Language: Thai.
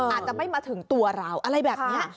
อาจจะไม่มาถึงตัวเราอะไรแบบนี้